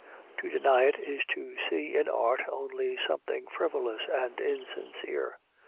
To deny it is to see in art only something frivolous and insincere.